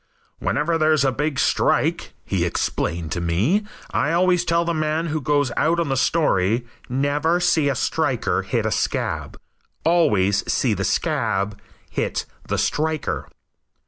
"Whenever there's a big strike," he explained to me, "I always tell the man who goes out on the story, 'Never see a striker hit a scab. Always see the scab hit the striker.'"